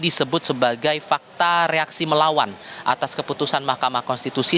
disebut sebagai fakta reaksi melawan atas keputusan mahkamah konstitusi